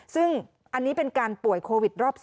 ซึ่งอันนี้เป็นการป่วยโควิดรอบ๒